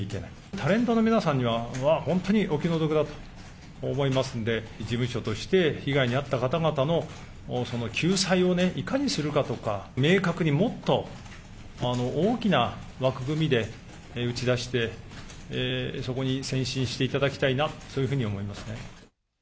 タレントの皆さんには、本当にお気の毒だと思いますので、事務所として被害に遭った方々の救済をね、いかにするかとか、明確にもっと大きな枠組みで打ち出して、そこに専心していただきたいな、そういうふうに思いますね。